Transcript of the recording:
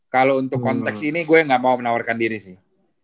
kalau untuk konteks ini gue gak mau menawarkan diri sih